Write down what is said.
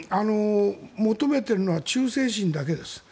求めているのは忠誠心だけです。